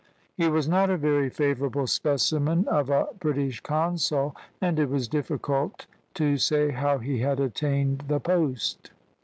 He was not a very favourable specimen of a British consul, and it was difficult to say how he had attained the post.